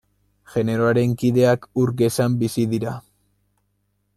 Generoaren kideak ur gezan bizi dira.